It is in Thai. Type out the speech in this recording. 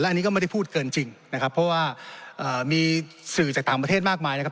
อันนี้ก็ไม่ได้พูดเกินจริงนะครับเพราะว่ามีสื่อจากต่างประเทศมากมายนะครับ